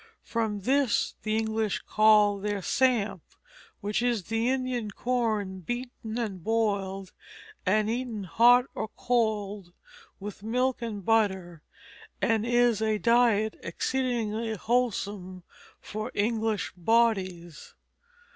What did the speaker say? From this the English call their samp, which is the Indian corn beaten and boiled and eaten hot or cold with milk and butter, and is a diet exceedingly wholesome for English bodies."